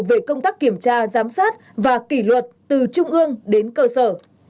về công tác kiểm tra giám sát và kỷ luật từ trung ương đến cơ sở